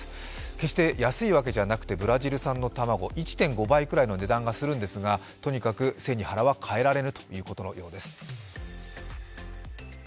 決して安いわけではなくてブラジル産の卵、１．５倍くらいの値段はするんですがとにかく背に腹は代えられないということです。